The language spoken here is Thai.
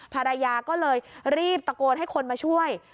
ภรรยาก็เลยรีบตะโกนให้คนมาช่วย